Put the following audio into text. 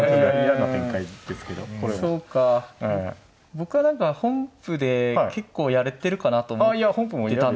僕は何か本譜で結構やれてるかなと思ってたんですよ。